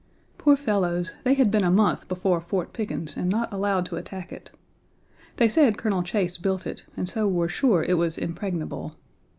Poor fellows! they had been a month before Fort Pickens and not allowed to attack it. They said Colonel Chase built it, and so were sure it was impregnable.